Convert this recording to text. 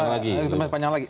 lebih panjang lagi